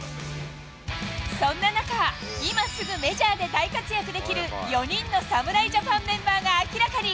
そんな中、今すぐメジャーで大活躍できる４人の侍ジャパンメンバーが明らかに。